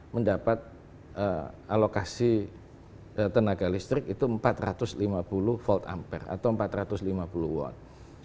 mendapat alokasi tenaga listrik itu empat ratus lima puluh volt ampere atau empat ratus lima puluh watt